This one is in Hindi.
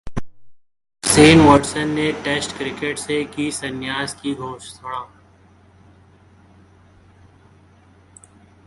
शेन वाटसन ने टेस्ट क्रिकेट से की संन्यास की घोषणा